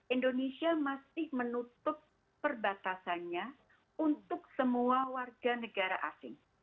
indonesia masih menutup perbatasannya untuk semua warga negara asing